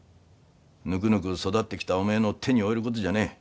ぬくぬく育ってきたおめえの手に負えることじゃねえ。